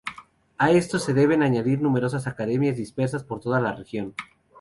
A estos se deben añadir numerosas academias, dispersas por toda la región.